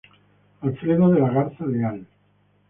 Alfredo de la Garza Leal.